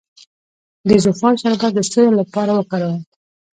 د زوفا شربت د څه لپاره وکاروم؟